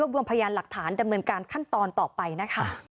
รวมพยานหลักฐานดำเนินการขั้นตอนต่อไปนะคะ